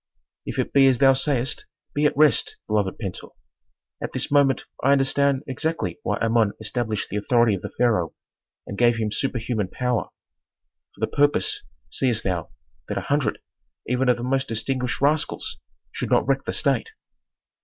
"If it be as thou sayst, be at rest, beloved Pentuer. At this moment I understand exactly why Amon established the authority of the pharaoh and gave him superhuman power. For the purpose, seest thou, that a hundred, even of the most distinguished rascals, should not wreck the state."